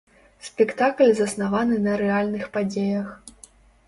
Спектакль заснаваны на рэальных падзеях.